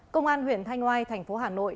công an huyện thanh hoai thành phố hà nội